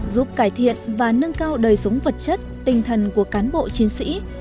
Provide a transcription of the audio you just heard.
giúp cải thiện và nâng cao đời sống vật chất tinh thần của cán bộ chiến sĩ